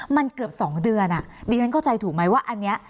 มันเกือบสองเดือนอ่ะเรียนเข้าใจถูกไหมว่าอันเนี้ย